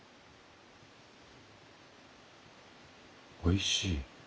おいしい。